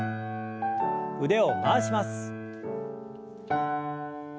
腕を回します。